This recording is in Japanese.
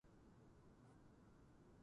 引用先を記載してください